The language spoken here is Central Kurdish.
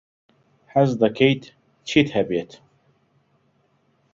حەز دەکەیت چیت هەبێت؟